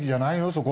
そこ。